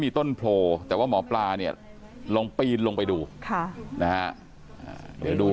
มีต้นโพลแต่ว่าหมอปลาเนี่ยลองปีนลงไปดูค่ะนะฮะเดี๋ยวดู